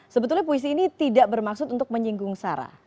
sebetulnya puisi ini tidak bermaksud untuk menyinggung sarah